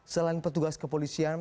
selain petugas kepolisian